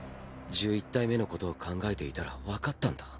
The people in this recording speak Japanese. １１体目のことを考えていたら分かったんだ。